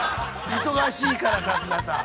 忙しいから、春日さん。